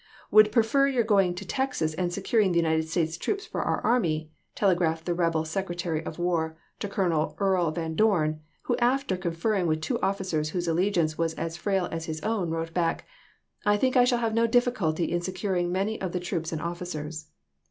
"Would prefer your going to Texas and securing the United States troops for our army," telegraphed the rebel Sec retary of War to Colonel Earl Van Dorn, who after conferring with two officers whose allegiance was as frail as his own, wrote back: "I think I shall have no difficulty in securing many of the troops and officers."